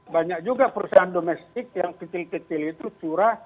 banyak juga perusahaan domestik yang kecil kecil itu curah